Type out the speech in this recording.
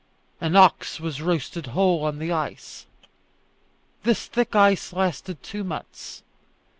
An ox was roasted whole on the ice. This thick ice lasted two months.